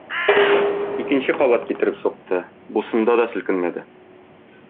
Икенче кабат китереп сукты, бусында да селкенмәде.